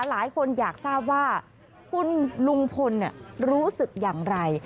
หลายคนอยากทราบว่าคุณลุงพลรู้สึกอย่างไร